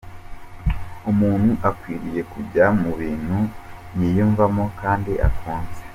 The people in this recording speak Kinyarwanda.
Umuntu akwiriye kujya mu bintu yiyumvamo kandi akunze.